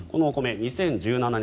２０１７年